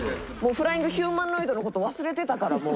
フライングヒューマノイドの事忘れてたからもう。